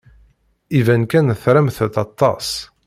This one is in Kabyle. Iban kan tramt-tt aṭas.